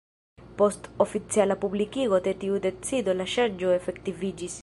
Post oficiala publikigo de tiu decido la ŝanĝo efektiviĝis.